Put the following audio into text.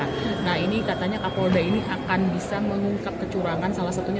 nah ini katanya kapolda ini akan bisa mengungkap kecurangan salah satunya